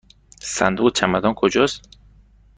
صندوق چمدان کجاست؟